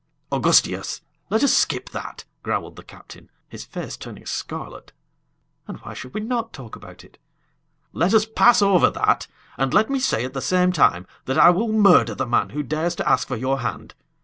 "Augustias! let us skip that!" growled the captain, his face turning scarlet. "And why should we not talk about it?" "Let us pass over that, and let me say, at the same time, that I will murder the man who dares to ask for your hand.